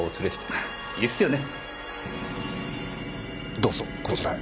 どうぞこちらへ。